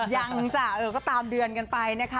จ้ะก็ตามเดือนกันไปนะคะ